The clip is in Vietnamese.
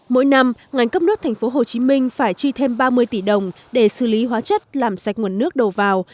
mỗi năm ngành cấp nước tp hcm phải chi thêm ba mươi tỷ đồng để xử lý hóa chất làm sạch nguồn nước đầu vào